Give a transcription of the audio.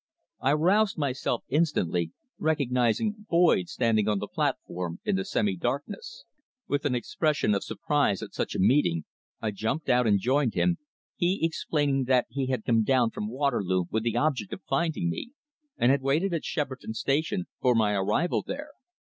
I roused myself instantly, recognising Boyd standing on the platform in the semi darkness. With an expression of surprise at such a meeting I jumped out and joined him, he explaining that he had come down from Waterloo with the object of finding me, and had waited at Shepperton Station for my arrival there.